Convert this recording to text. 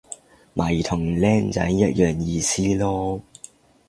咪同僆仔一樣意思囉